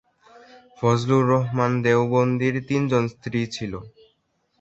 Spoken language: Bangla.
ফজলুর রহমান দেওবন্দির তিনজন স্ত্রী ছিল।